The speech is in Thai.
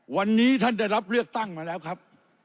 วันนี้ท่านได้รับเลือกตั้งมาแล้วครับ